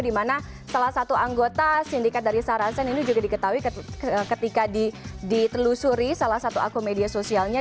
di mana salah satu anggota sindikat dari sarasen ini juga diketahui ketika ditelusuri salah satu akun media sosialnya